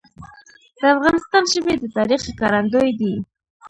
د افغانستان ژبي د تاریخ ښکارندوی دي.